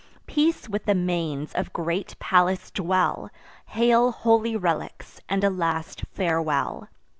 Peace with the manes of great Pallas dwell! Hail, holy relics! and a last farewell!"